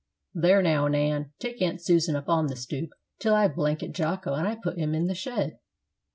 "There, now, Nan, take Aunt Susan up on the stoop, till I blanket Jocko and put him in the shed."